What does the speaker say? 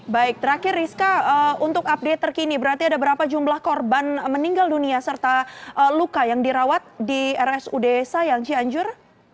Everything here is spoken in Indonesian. baik terakhir rizka untuk update terkini berarti ada berapa jumlah korban meninggal dunia serta luka yang dirawat di rsud sayang cianjur